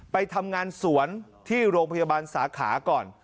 ไปทำงานสวนที่โรงพยาบาลสาขาก่อน